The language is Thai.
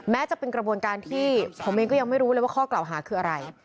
แม้จะเป็นกระบวนการที่ผมเองก็ยังไม่รู้เลยว่าข้อกล่าวหาคืออะไร